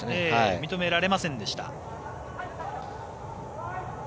認められませんでした。